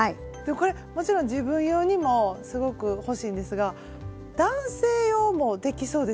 これもちろん自分用にもすごく欲しいんですが男性用もできそうですよね。